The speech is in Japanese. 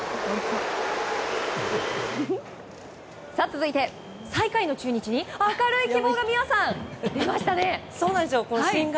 続いて最下位の中日に明るい希望が美和さん、出ましたね！